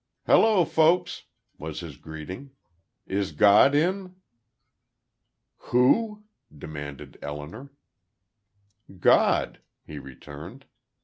"Hello, folks," was his greeting. "Is God in?" "Who?" demanded Elinor. "God," he returned.